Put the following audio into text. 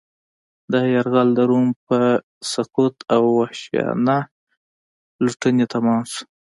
دا یرغل د روم په سقوط او وحشیانه لوټنې تمام شو